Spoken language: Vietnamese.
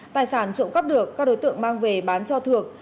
tài sản trộm cấp được các đối tượng mang về bán cho thược